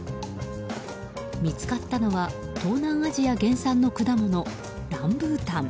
見つかったのは東南アジア原産の果物ランブータン。